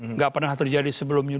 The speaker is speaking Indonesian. enggak pernah terjadi sebelumnya